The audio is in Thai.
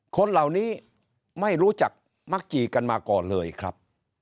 คนเหล่านี้ไม่รู้จักมักจีกันมาก่อนเลยครับ